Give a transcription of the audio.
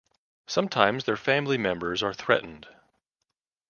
Sometimes their family members are threatened.